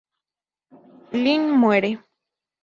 Lynn muere.